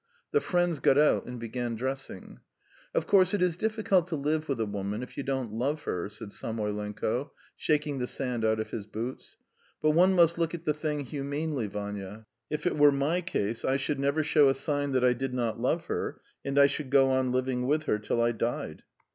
The friends got out and began dressing. "Of course, it is difficult to live with a woman if you don't love her," said Samoylenko, shaking the sand out of his boots. "But one must look at the thing humanely, Vanya. If it were my case, I should never show a sign that I did not love her, and I should go on living with her till I died."